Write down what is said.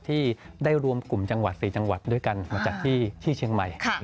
ที่ได้รวมกลุ่มจังหวัด๔จังหวัดด้วยกันมาจากที่เชียงใหม่